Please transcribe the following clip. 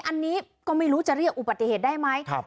อันนี้ก็ไม่รู้จะเรียกอุบัติเหตุได้ไหม